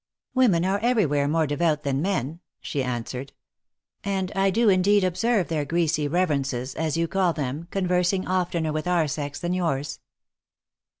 " Women are everywhere more devout than men," she answered ;" and I do indeed observe their greasy reverences, as you call them, conversing oftener with our sex than yours."